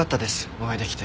お会いできて。